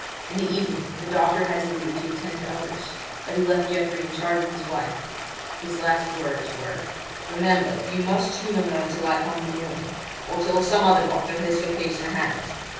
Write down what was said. In the evening the doctor had to leave to attend to others; but he left Geoffrey in charge of his wife. His last words were: "Remember, you must humour her till I come in the morning, or till some other doctor has her case in hand.